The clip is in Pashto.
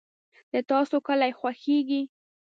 د تاسو کلي خوښیږي؟